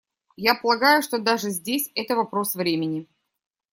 Я полагаю, что даже здесь это вопрос времени.